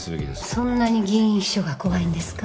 そんなに議員秘書が怖いんですか。